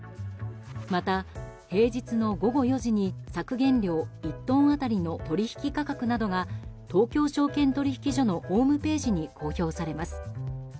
また、平日の午後４時に削減量１トン当たりの取引価格などが東京証券取引所のホームページに公表されます。